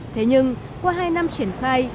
thế nhưng qua hai năm triển khai